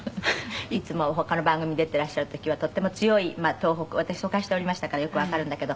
いつも他の番組に出ていらっしゃる時はとても強い東北私疎開しておりましたからよくわかるんだけど。